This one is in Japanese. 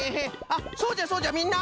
あっそうじゃそうじゃみんな！